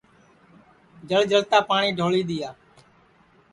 جݪ جݪتا پاٹؔی ڈھولی دؔیا